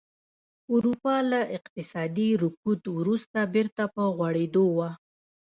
اروپا له اقتصادي رکود وروسته بېرته په غوړېدو وه